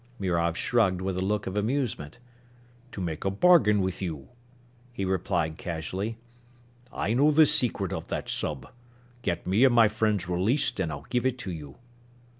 Mirov shrugged with a look of amusement. "To make a bargain with you," he replied casually. "I know the secret of that sub. Get me and my friends released and I'll give it to you."